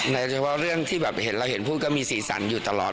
โดยเฉพาะเรื่องที่แบบเห็นเราเห็นพูดก็มีสีสันอยู่ตลอด